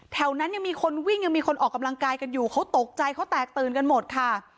นั้นยังมีคนวิ่งยังมีคนออกกำลังกายกันอยู่เขาตกใจเขาแตกตื่นกันหมดค่ะ